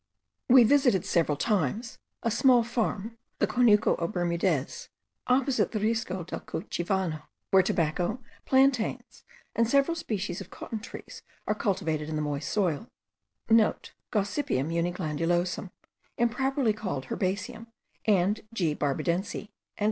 We visited several times a small farm, the Conuco of Bermudez, opposite the Risco del Cuchivano, where tobacco, plantains, and several species of cotton trees,* are cultivated in the moist soil (* Gossypium uniglandulosum, improperly called herbaceum, and G. barbadense.)